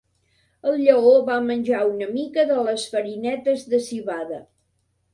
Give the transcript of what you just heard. El lleó va menjar una mica de les farinetes de civada.